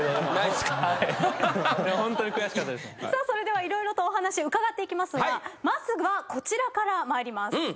それでは色々とお話伺っていきますがまずはこちらから参ります。